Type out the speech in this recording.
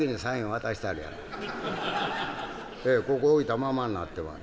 「ええここ置いたままんなってます」。